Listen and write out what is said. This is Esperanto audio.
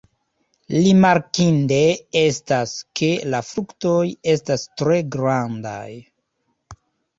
Rimarkinde estas, ke la fruktoj estas tre grandaj.